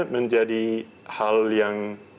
menjadi hal yang